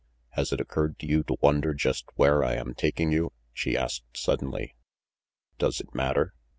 "Has it occurred to you to wonder just where I am taking you? " she asked suddenly. "Does it matter?"